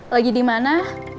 lagi di mana